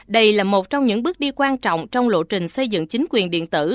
đây là một trong những bước đi quan trọng trong lộ trình xây dựng chính quyền điện tử